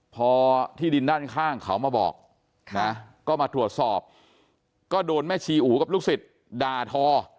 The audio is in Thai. พอที่ดินด้านข้างเขามาบอกนะก็มาตรวจสอบก็โดนแม่ชีอู๋กับลูกศิษย์ด่าทอ